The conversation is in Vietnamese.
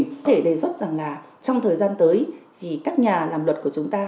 có thể đề xuất rằng trong thời gian tới các nhà làm luật của chúng ta